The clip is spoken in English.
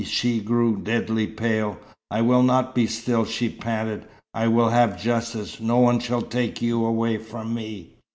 She grew deadly pale. "I will not be still," she panted. "I will have justice. No one shall take you away from me."